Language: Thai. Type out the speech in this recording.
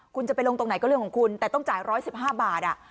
คุณจะไปลงตรงไหนก็เรื่องของคุณแต่ต้องจ่ายร้อยสิบห้าบาทอ่ะ